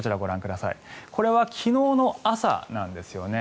これは昨日の朝なんですよね。